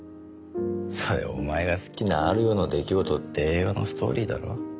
それお前が好きな『或る夜の出来事』って映画のストーリーだろ？